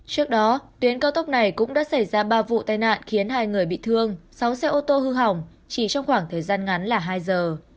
trước đó tuyến cao tốc này cũng đã xảy ra ba vụ tai nạn khiến hai người bị thương sáu xe ô tô hư hỏng chỉ trong khoảng thời gian ngắn là hai giờ